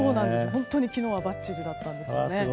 本当に昨日はばっちりだったんですよね。